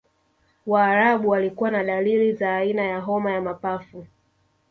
waarabu walikuwa na dalili za aina ya homa ya mapafu